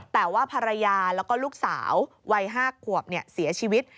แต่ว่าภรรยาแล้วก็ลูกสาววัย๕ขวบเสียชีวิต